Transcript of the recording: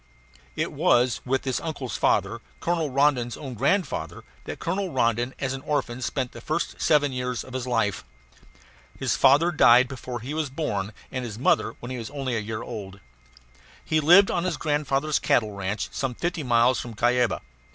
It was with this uncle's father, Colonel Rondon's own grandfather, that Colonel Rondon as an orphan spent the first seven years of his life. His father died before he was born, and his mother when he was only a year old. He lived on his grandfather's cattle ranch, some fifty miles from Cuyaba.